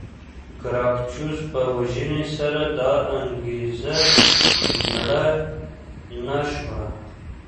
ګراکچوس په وژنې سره دا انګېزه مړه نه شوه.